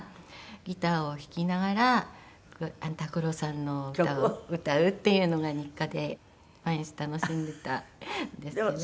ギターを弾きながら拓郎さんの歌を歌うっていうのが日課で毎日楽しんでいたんですけど。